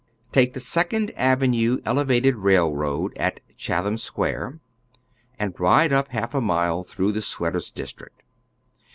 Take the Second Avenue Elevated Railroad at Chatham Square and ride up half a mile through the sweaters' dis trict.